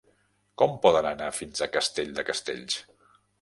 Com podem anar fins a Castell de Castells?